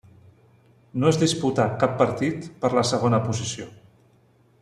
No es disputà cap partit per la segona posició.